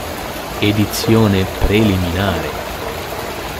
Edizione preliminare.